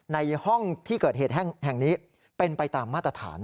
ในห้องที่เกิดเหตุแห่งนี้เป็นไปตามมาตรฐาน